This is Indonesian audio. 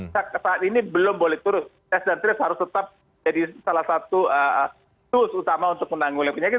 saat ini belum boleh turun tes dan trace harus tetap jadi salah satu tools utama untuk menangguli penyakit